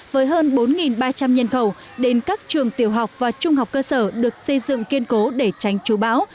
với hơn bốn ba trăm linh nhân khẩu đến các trường tiểu học và trung học cơ sở được xây dựng kiên cố để tránh chú bão